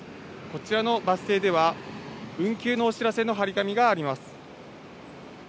こちらのバス停では、運休のお知らせの貼り紙があります。